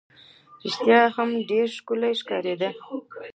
رښتیا هم ډېره ښکلې ښکارېده.